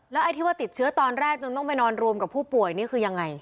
ไอ้ที่ว่าติดเชื้อตอนแรกจนต้องไปนอนรวมกับผู้ป่วยนี่คือยังไง